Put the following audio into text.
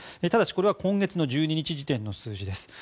ただしこれは今月の１２日時点の数字です。